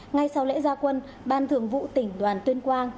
ngay sau lễ gia quân ban thường vụ tỉnh đoàn tuyên quang